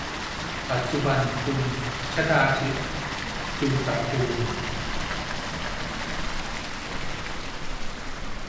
ปัจจุบัน คุณชฎาทิพ จูตระกูล